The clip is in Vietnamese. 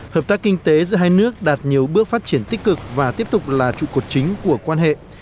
hợp tác kinh tế giữa hai nước đạt nhiều bước phát triển tích cực và tiếp tục là trụ cột chính của quan hệ